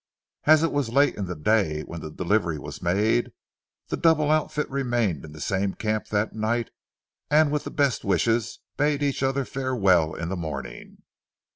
As it was late in the day when the delivery was made, the double outfit remained in the same camp that night, and with the best wishes, bade each other farewell in the morning.